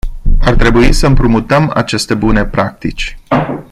Ar trebui să împrumutăm aceste bune practici.